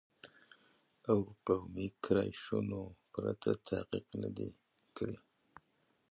او قومي ګرایشونو پرته تحقیق نه دی کړی